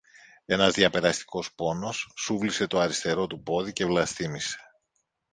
Ένας διαπεραστικός πόνος σούβλισε το αριστερό του πόδι και βλαστήμησε